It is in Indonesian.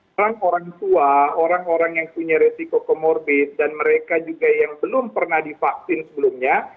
orang orang tua orang orang yang punya resiko komorbid dan mereka juga yang belum pernah divaksin sebelumnya